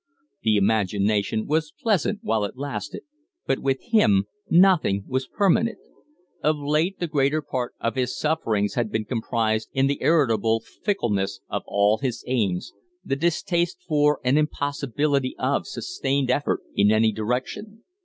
The imagination was pleasant while it lasted, but with him nothing was permanent. Of late the greater part of his sufferings had been comprised in the irritable fickleness of all his aims the distaste for and impossibility of sustained effort in any direction.